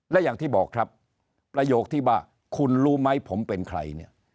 และอย่างที่บอกครับประโยคที่ว่าคุณรู้ไหมผมเป็นใครเนี่ย